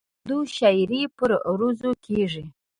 اردو شاعري پر عروضو کېږي.